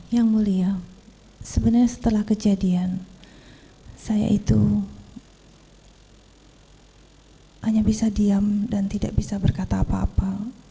yang mulia sebenarnya setelah kejadian saya itu hanya bisa diam dan tidak bisa berkata apa apa